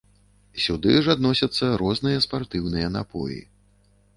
Сюды ж адносяцца розныя спартыўныя напоі.